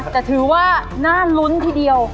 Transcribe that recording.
แต่ถือว่าน่าลุ้นทีเดียว